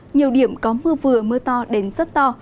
nhiều điểm có mưa vừa mưa to đến rất to